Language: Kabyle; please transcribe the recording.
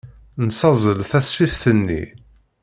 Nessazzel tasfift-nni.